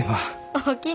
おおきに。